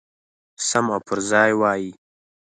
سم او پرځای وای.